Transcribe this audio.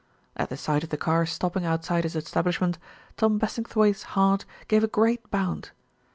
At the sight of the car stopping outside his establish ment, Tom Bassingthwaighte's heart gave a great bound.